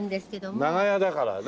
あっ長屋だからね。